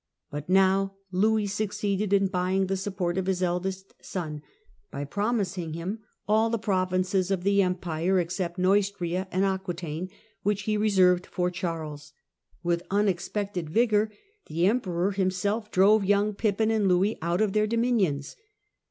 But now Louis succeeded in buying the support of his eldest son, by promising him all the provinces of the Empire except Neustria and Aquetaine, which he re served for Charles. With unexpected vigour, the Em peror himself drove young Pippin and Louis out of their dominions.